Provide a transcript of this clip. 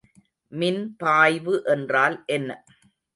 மின்பாய்வு என்றால் என்ன?